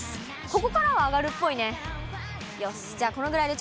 ここからは上がるっぽいね。